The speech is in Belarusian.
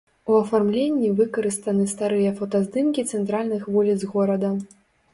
У афармленні выкарыстаны старыя фотаздымкі цэнтральных вуліц горада.